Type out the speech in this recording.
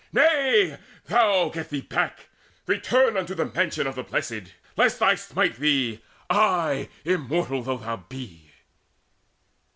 Nay, thou get thee back: return Unto the mansion of the Blessed, lest I smite thee ay, immortal though thou be!"